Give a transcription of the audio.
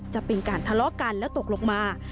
จะเป็นการทะเลาะกันแล้วตกลงมา